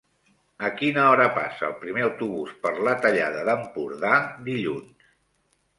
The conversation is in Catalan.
A quina hora passa el primer autobús per la Tallada d'Empordà dilluns?